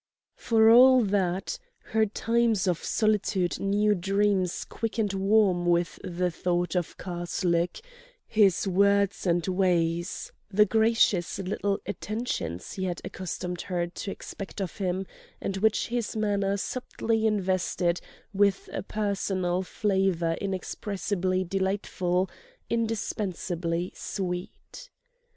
For all that, her times of solitude knew dreams quick and warm with the thought of Karslake, his words and ways, the gracious little attentions he had accustomed her to expect of him and which his manner subtly invested with a personal flavour inexpressibly delightful, indispensably sweet.